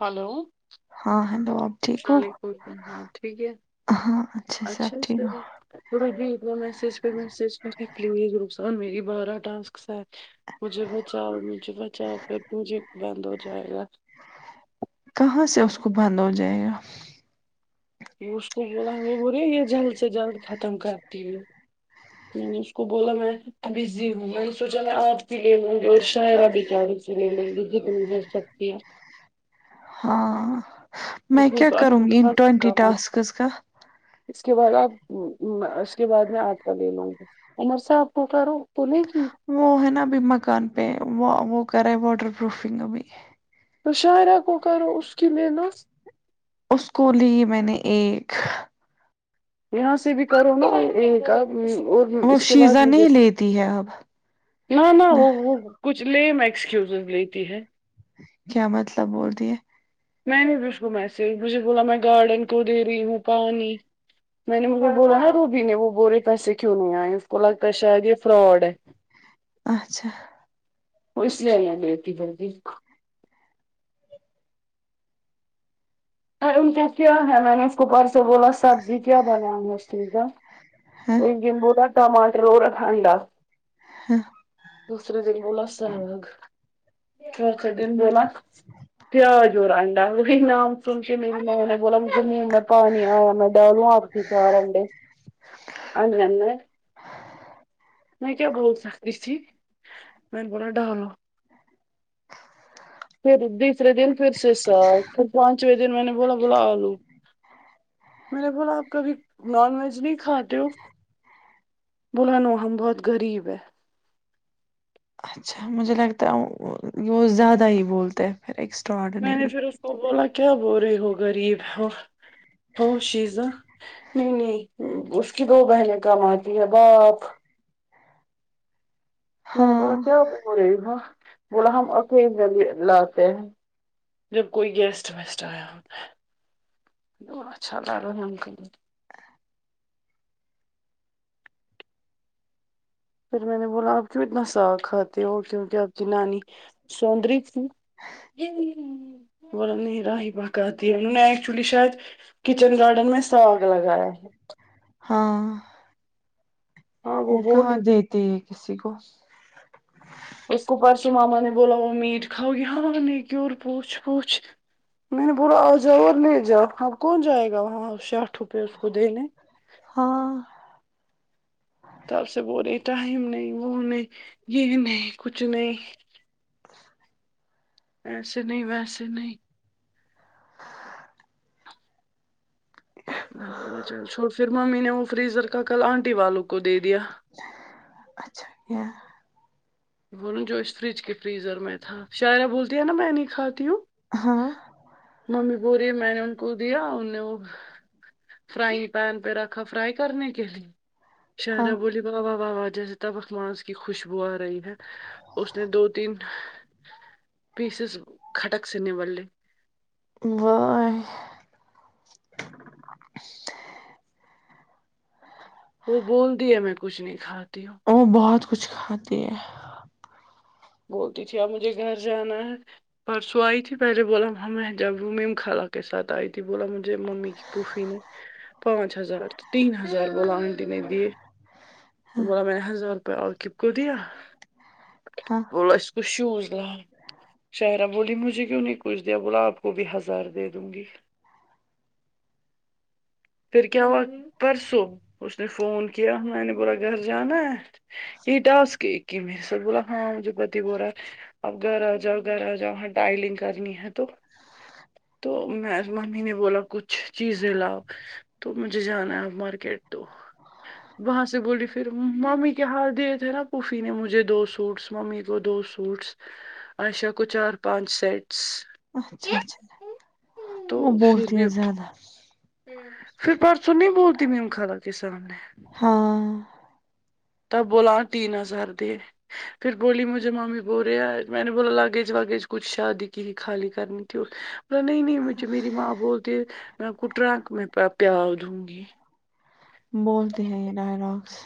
ہلون ہاں ہیلو آپ ٹھیک ہو ہاں ٹھیک ہے ہاں اچھا سب ٹھیک تب د میسیج پ میسیج پ پلیز رس ا می بار ٹسک ساتھ مجھے بچاؤ مجھے بچاؤ پھر مھے بند ہو جائے گا کہاں سے اس کو بند ہو جائے گا اس کو بولا بولے یہ جلد سے جلد ختم کرتی ہو میں نے اس کو بولا میں بزی ہوں میں نے سوچا میں آپ کے لیے شہرا بھی چارے وت سکتی ہے ہاں میں اس نے کیا تو کروں اچھا گی ان خاص ٹینٹی کما تھوسند کا اس کے بعد آپ اس کے بعد میں آٹ کاا لے لوں گی امر صاحب کوک بولے گ وہ ہے نا ابھی مکان پہ وہ وہ کرا ہے واٹر پروفنگ ابھی تو شاعرا کو کرو ا اس کی محنت اس کو لی میں نے ایک یہاں سے بھی کرو نا یہ کا وہ اس کے بعد شیزا م نہیں د لیتی ہے اب نہ نہ وہ وہ کچھ لیم ایکسکیوزو لیتی ہے کیا مطلب بول رہی ہے میں نہیں پچھ گ میسیج بھس بولان م میں گاڈن کو دے رہی ہوں پانی میں نے مجھ کو بولا نا روبی نے وہ بولے پیسے کیوں نہیں آئے اس کو لگتا شاید یہ فراڈ ہے اچھا وہ اس لیے اللہ ملتی بھر جی ر ان کیا کیا ہے منیش کو پار سے بولا اب یہ کیا بنا ہاں انجن بولا ٹماٹر اور انڈا ہاں دوسرے دن بولا ساگ سے دن بولا پیا جوور آڈا وہی نام سن کے میری بولا مجھ نہیں میں پانی آیا میں ڈالوں آپ کے چار انڈے ہنند [unintelligible] میں کیا بول سکتی تھی میں نے بولا ڈالو پھر دوسرے دن پھر سےسا پ دن میں نے بولا بولا آلو میں نے بولا آپ کبھی نان ویج نہیں کھاتے بول نو ہم بہت غریب ہے اچھا مجھے لگتا ہے وہ زیادہ ہی بولتے ایکسٹاٹ میں نے پھر اس کو بولا کیا بو رہی ہو غریب ہو ہو شیزاں نہیں نہیں اس کی دو بہنیں کام آتی ہیں باپ میں نے بولا ہاں کیا بول بولا ہم اقیلی اللہ آتے ہیں جب کوئی گیسٹ ویسٹ آیا ہو اچھاءلہ الحم پھر میں نے بولا آپ کیوں اتنا ساگ کھاتے ہو کیونکہ آپ کی نانی سندری تھی ب نہیں راہ بقات انہوں نے ایکچولی شاید کچن گارڈن میں ساگ لگایا ہے ہاں ہاں وہ کہاں بولی دیتے ہے کسی کو [unintelligible] اس کو پرسو ماما نے بولا وہ میٹ کاؤ گی ہاں نہیں کیوں اور پوچھ پوچھ میں نے بولا آ جاؤ اور لے جاؤ آپ کون جائے گا وہاں ساٹھ روپئے اس کو دینے ہاں تپ سے بول رہے ٹائم نہیں وہ نہیں یہ نہیں کچھ نہیں ویسے نہیں ویسے نہیں چل چھو پھر ممی نے وہ فریزر کا کل آنٹی والوں کو دے دیا اچھا کیا بول جو اس فریج کے فریزر میں تھا شاعرہ بولتی ہے نا میں نہیں کھاتی ہوں ہاں ممی بو رہی ہے میں نے ان کو دیا ان نے وہ فرائنگ پین پہ رکھا فرائی کرنے کے لیے ہاں شہرا بولی واہاہ واہاہ جیسے تب اخ ماس کی خوشبو آ رہی ہے اس نے دو تین پیسز کھٹک سے نمل لی [unintelligible] وہ بول دی ہے میں کچھ نہیں کھاتی ہوں وہ بہت کچھ کھاتی ہے بولتی تھی اب مجھے گھر جانا ہے پرسو آئی تھی پہلے بولا ہم جب مم خال کے ساتھ آئی تھی بولا مجھے ممی کی پوفی نے پانچ ہزار تین ہزار بلان د میں د ہاں بولا میں نے ہزار روپیہ آ ک کو دیا ہاں بولو اس کس شوز لا شہرہ بولی مجھے کیوں نہیں کچھ دیا بولا آپ کو بھی ہزار دے دوں گی پھر کیا ہوا پرسوں اس نے فون کیا میں نے بورا گھر جانا ہے یہی ڈاس کے ایک ہی میرے سے بولا ہاں مجھے ب ب رہا ہے اب گھر آ جاؤ گھر آ جاؤ وہاں ڈائلنگ کرنی ہے تو تو میں ممی نے بولا کچھ چیزیں لاؤ تو مجھے جانا ہے مارکیٹ تو وہاں سے بولی پھر ممی کیا ہاتھ دیئے تھے نا پوفی نے مجھے دو سوٹس ممی کو دو سو فوٹس عشیا کو چار پانچ سیٹس اچھا اچھا تو وہ پھر بولتی بھی ہیں زیادہ پھر پرسوں نہیں بولتی میم خرا کے سامنے ہاں ت بلا تین ہزار د پھر بولی مجھے مامی بول رہے میں نے بولا لاگیج واگیج کچھ شادی کی خالی کرنے ت نہیں نہیں مجھے میری ماں بولتی میں کٹرا میں پ پیا دوں گی بولتے ہیں یہ ڈائلاگس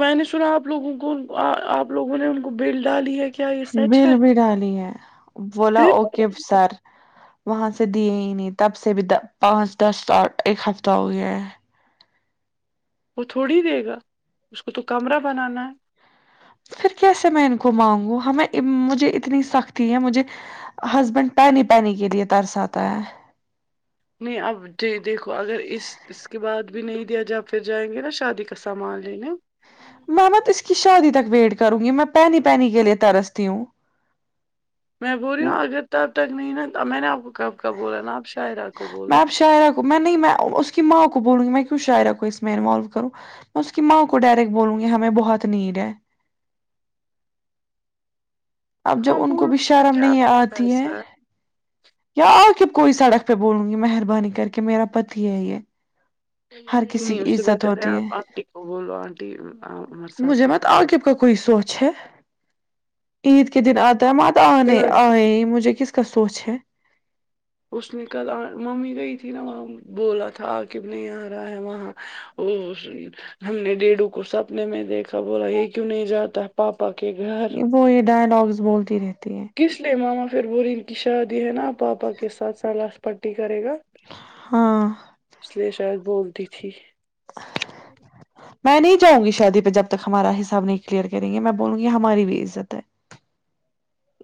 میں نے سنا آپ لوگوں کو آپ لوگوں نے ان کو بل ڈالی ہے کیا یہ سچ بل ہے بھی ڈالی ہے بولا پھر اوکے سر وہاں سے دیے ہی نہیں تب سے بھی پانچ دس اور ایک ہفتہ ہو گیا ہے وہ تھوڑی دے گا اس کو تو کمرہ بنانا ہے پھر کیسے میں ان کو مانگوں ہمیں مجھے اتنی سختی ہے مجھے ہسبینڈ پانی پانی کے لیے ترساتا ہے نہیں اب ج دیکھو اگر اس اس کے بعد بھی نہیں دیا جب آپ پھر جائیں گے نا شادی کا سامان لینے محمت اس کی شادی تک ویٹ کروں گی میں پہنی پہنی کے لیے ترستی ہوں میں بول رہی وہ ہوں اگر تب تک نہیں نا میں نے آپ کو کب کب بولا نا آپ شاع آپ کو میں بولو اب شاعرہ میں نہیں میں اس کی ماں کو بولوں گی میں کیوں شاعرہ کو اس میں انوالو کروں میں اس کی ماںؤ کو ڈائریکٹ بولوں گی ہمیں بہت نیڈ ہے اب جب ہاں ان کو بولو بھی اس میں شرم کیا نہیں اپنا آتی ہے پیسہ یا آ کے کوئی سڑک پہ بولوں گی مہربانی کر کے میرا پتی ہے یہ ہر کسی نہیں اس کی سے عزت بہتر ہے ہوتی آپ آنٹی کو بولو آنٹیر صاحب مجھے کے مت کھ عاقب کا کوئی سوچ ہے عید کے دن آتا ہے پیسے۔ مات آنے آئے مجھے کس ک سوچ ہے اس نے کل ممی گئی تھی نا وہ بولا تھا آ کےب نہیں آ رہا ہے وہاں ا ہم نے ڈیڈو کو سپنے میں دیکھا بولا یہ کیوں نہیں جاتا پاپا کے گھر وہ یہ ڈائلگس بولتی رہتی ہیں کس لیے ماما پھر ب ان کی شادی ہے نا پاپا کے ساتھ سلاس پٹی کرے گا ہاں اس لیے شاید بولتی تھی میں نہیں جاں گی شادی پہ جب تک ہمارا حساب نہیں کلیئر کریں گے میں بولوں گی ہماری بھی عزت ہے [inaudible]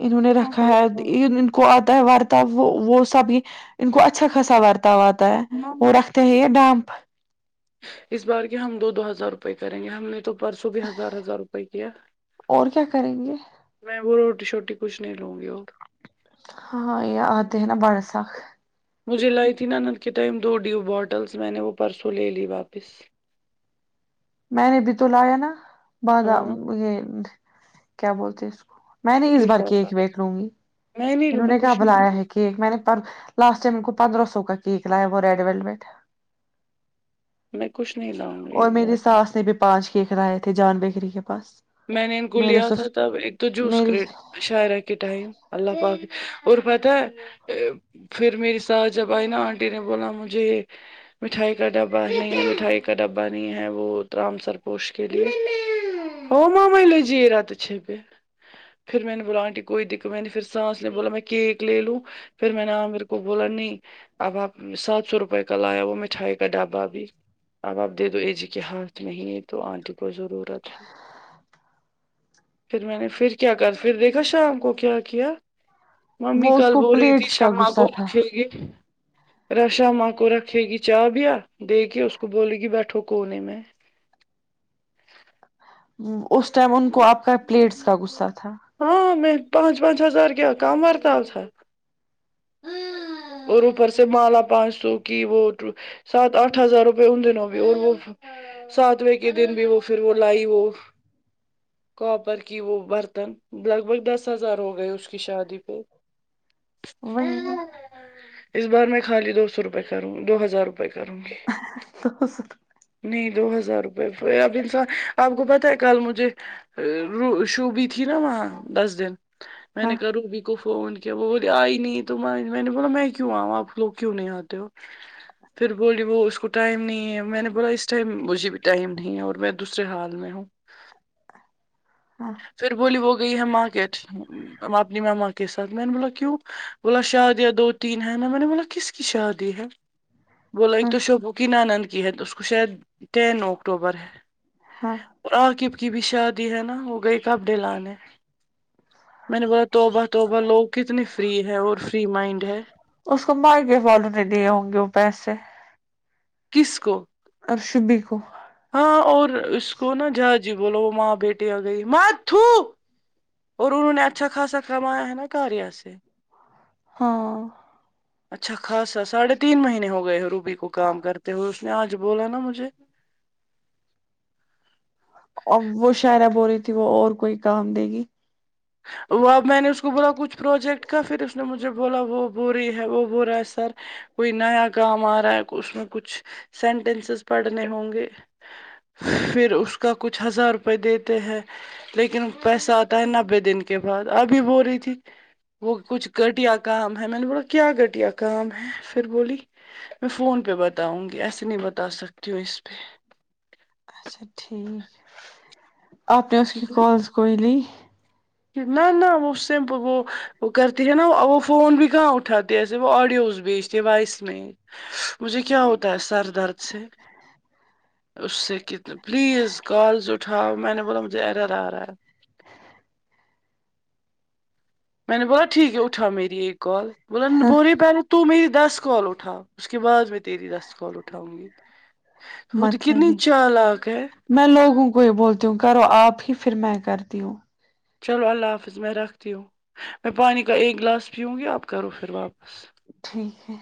انہوں نے رکھا ہے ان کو آتا ہے وار تب وہ وہ سبھی ان کو اچھا خاصا برتا ہوا آتا ہے وہ رکھتے ہیں یہ ڈامپ اس بار کی ہم دو ہزار روپئے کریں گے ہم نے تو پرسوں بھی ہزار ہزار روپئے کیا ہے اور کیا کریں گے میں وہ روٹی شوٹی کچھ نہیں لوں گی اور ہاں یہ آتے ہیں نا بارا ساخ مجھے لائتیین انند کے ٹائم دو ڈیو بوٹلس میں نے وہ پرسوں لے لی واپس میں نے بھی تو لایا نا بدا ہاں یہ کیا بولتے اس کو میں نے اس بار کی لفافہ ایک وھ لوں گی میں نہیں لوں انہوں میں نے کہ کچھ نہیں بلایا لاؤں ہے کہ گی کیک میں نے لاسٹائم کو پندرہ سو کا کیک لایا وہ ریڈ ویل ویٹ میں کچھ نہیں لاؤں گی اور اس میری بار میں ساس نے بھی پانچ ککرائے تھے جان بیکری کے پاس میں نے ان کو میرے لیا تھا سس تب ایک تو جوس میری کریٹ شاعرہ کے ٹائم اللہ پااکظ اور پتہ ہے پھر میری ساتسھ جب آئی نا آنٹی نے بولا مجھے مٹھائی کا ڈبہ نہیں مٹھائی کا ڈبہ نہیں ہے وہت رام سرپوش کے لیے ہو م میں لجےا تو چھپے پھر میں نے بولا آنٹی کوئی دق م میں نے پھر سانس لی نے بولا میں کیک لے لو پھر میں نے ہاں میرے کو بولا نہیں اب آپ سات سو روپے کا لایا وہ مٹھائی کا ڈبا بھی اب آپ دے دو ای جی کے ہاتھ میں ہی تو آنٹی کو ضرورت ہے پھر میں نے پھر کیا کر پھر دیکھا شام کو کیا کیا ممی وہ اس کل کو بول رہی تھی پلیٹس کا شمع کو غصہ تھا رکھے گی رشا ماں کو رکھے گی چا بھییا دے کے اس کو بولے گی بیٹھو کونے میں اس ٹائم ان کو آپ کا پلیٹس کا غصہ تھا ہاں میں پانچ پانچ ہزار کیا کم ہرتال سا اور اوپر سے مالا پانچ سو کی وہ سات آٹھ ہزار روپئے ان دنوں بھی اور وہ ساتویں کے دن بھی وہ پھر وہ لائی وہ کاپر کی وہ برتن لگ بھگ دس ہزار ہو گئے اس کی شادی پہ ہ وہی نا اس بار میں خالی دو سو روپے کروں گی دو ہزار روپئے کروں گی تو نہیں دو ہزار روپئے اب انسان آپ کو پتہ ہے کل مجھے ر شوبی تھی نا وہاں دس دن میں ہاں نے کہا روبی کو فون کیا وہ بولے آئی نہیں تو میں نے بولا میں کیوں آؤں آپ لوگ کیوں نہیں آتے ہو پھر بولی وہ اس کو ٹائم نہیں ہے میں نے بولا اس ٹائم مجھے بھی ٹائم نہیں ہے اور میں دوسرے حال میں ہوں ہاں پھر بولی وہ گئی ہے مارکیٹ اپنی مما کے ساتھ میں نے بولا کیوں بولا شادیاں دو تین ہیں نا میں نے بولا کس کی شادی ہے بولو ایک ہاں تو شوبو کی ن آانند کی ہے اس کو شاید تٹین اکٹوبر ہے ہاں عاقب کی بھی شادی ہے نا وہ گئی کپ ڈے لانے میں نے بتا توبہ توبہ لوگ کتنی فری ہے اور فری مائنڈ ہے اس کو مارگے والوں نے دیے ہوں گے وہ پیسے کس کو اور شبی کو ہاں اور اس کو نا جہا جی بولو وہ ماں بیٹی آ گئی ماں ت اور انہوں نے اچھا خاصا کمایا ہے نا گار ہییا سے ہاں اچھا خاصا ساڑھے تین مہینے ہو گئے ہو روبی کو کام کرتے ہوئے اس نے آج بولا نا مجھے ا وہ شاعرہ ب ہو رہی تھی وہ اور کوئی کام دے گی وہ اب میں نے اس کو بولا کچھ پروجیکٹ کا پھر اس نے مجھے بولا وہ بوری ہے وہ بورا ہے سر کوئی نیا کام آ رہا ہے اس میں کچھ سینٹینسز پڑھنے ہوں گے پھر اس کا کچھ ہزار روپئے دیتے ہیں لیکن پیسہ آتا ہے نہ ب دن کے بعد ابھی ب رہی تھی وہ کچھ گھٹیا کام ہے میں نے بولا کیا گھٹیا کام ہے پھر بولی میں فون پہ بتاؤں گی ایسے نہیں بتا سکتی ہوں اس پہ اچھا ٹھیک آپ نے اس کی کالز کوئی لی [inaudible] نہ نہ وہ سمپل وہ وہ کرتی ہے نا وہ فون بھی کہاں اٹھاتے ایسے وہ آڈیو اس بھی کے بعس میں مجھے کیا ہوتا ہے سر درد سے اس سے کتنے پلیز کالز اٹھاؤ میں نے بولا مجھے ایرر آ رہا ہے میں نے بولا ٹھیک ہے اٹھا میری ایک کال بولا بول رہی پہلے تو میری دس کال اٹھاؤ اس کے بعد میں تیری دس کال اٹھاؤں گی وہ تو مطلب کنی ہی چار لاکاک ہے میں لوگوں کو ہی بولتی ہوں کرو آپ ہی پھر میں کرتی ہوں چلو اللہ حافظ میں رکھتی ہوں میں پانی کا ایک گلاس پیوں گی آپ کرو پھر واپس ٹھیک ہے